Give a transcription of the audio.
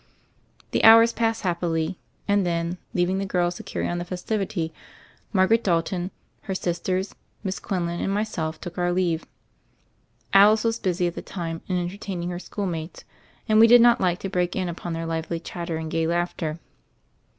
The hours passed happily, and then, leaving the girls to carry on the festivity, Margaret 220 THE FAIRY OF THE SNOWS Dalton, her sisters, Miss Quinlan, and myself took our leave. Alice was busy, at the time, in entertaining her schoolmates and we did not like to break in upon their lively chatter and gay laughter.